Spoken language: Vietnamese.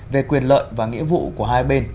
về quyền lợi và nghĩa vụ của hai bên